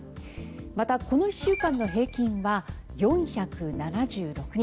また、この１週間の平均は４７６人。